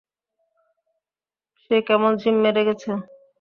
সে কেমন ঝিম মেরে গেছে।